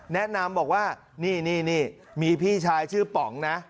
แนะนำบอกว่านี่มีพี่ชายชื่อป๋องนะ